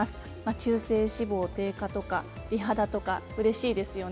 中性脂肪の低下とか、美肌とかうれしいですよね。